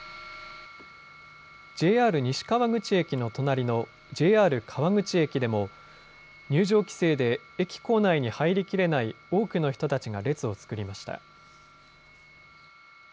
ＪＲ西川口駅の隣のＪＲ川口駅でも入場規制で駅構内に入りきれない多くの人たちが列を作りました。